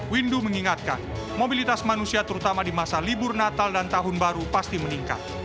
windu mengingatkan mobilitas manusia terutama di masa libur natal dan tahun baru pasti meningkat